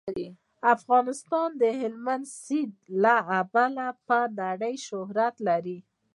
افغانستان د هلمند سیند له امله په نړۍ شهرت لري.